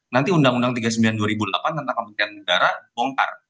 nanti undang undang tiga puluh sembilan dua ribu delapan tentang kementerian udara bongkar